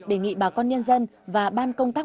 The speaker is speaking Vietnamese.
đề nghị bà con nhân dân và ban công tác